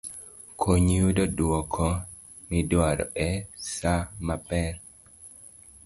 konyi yudo dwoko midwaro e sa maber